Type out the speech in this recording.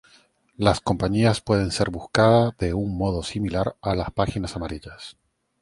Las compañías pueden ser buscadas de un modo similar a las páginas amarillas.